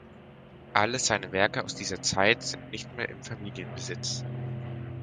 Alle seine Werke aus dieser Zeit sind nicht mehr im Familienbesitz.